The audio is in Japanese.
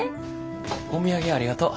お土産ありがとう。